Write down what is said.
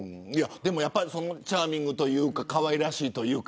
チャーミングというかかわいらしいというか。